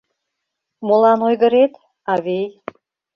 — Молан ойгырет, авий...